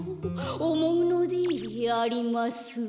「おもうのでありますうう」